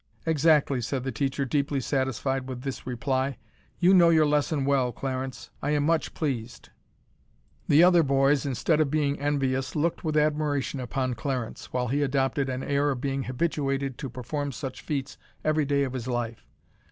"Exactly," said the teacher, deeply satisfied with this reply. "You know your lesson well, Clarence. I am much pleased." The other boys, instead of being envious, looked with admiration upon Clarence, while he adopted an air of being habituated to perform such feats every day of his life.